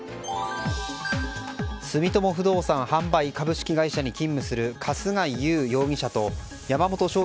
住友不動産販売株式会社に勤務する春日井湧容疑者と山本翔